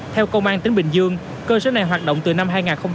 theo công an tính bình dương cơ sở này hoạt động từ năm hai nghìn một mươi sáu